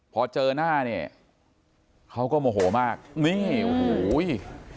พอเจอหน้าเนี่ยเขาก็โมโหมากนี่โอ้โห